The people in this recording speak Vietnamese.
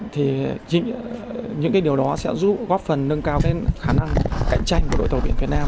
thì những điều đó sẽ giúp góp phần nâng cao khả năng cạnh tranh của đội tàu biển việt nam